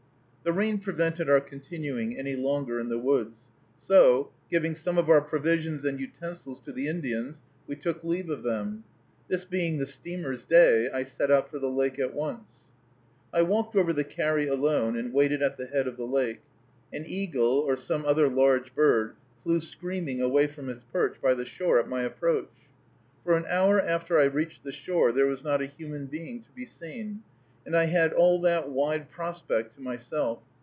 The rain prevented our continuing any longer in the woods; so, giving some of our provisions and utensils to the Indians, we took leave of them. This being the steamer's day, I set out for the lake at once. I walked over the carry alone and waited at the head of the lake. An eagle, or some other large bird, flew screaming away from its perch by the shore at my approach. For an hour after I reached the shore there was not a human being to be seen, and I had all that wide prospect to myself.